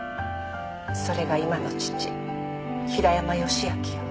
それが今の義父平山義昭よ。